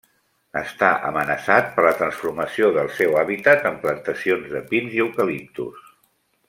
Està amenaçat per la transformació del seu hàbitat en plantacions de pins i eucaliptus.